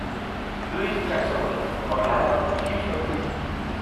Louis, Jacksonville, Orlando y Houston.